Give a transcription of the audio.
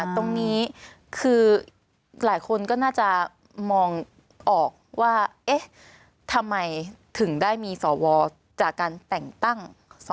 ตรงนี้คือหลายคนก็น่าจะมองออกว่าเอ๊ะทำไมถึงได้มีสวจากการแต่งตั้ง